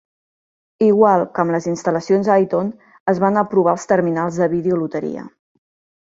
Igual que amb les instal·lacions Dayton, es van aprovar els terminals de vídeo loteria.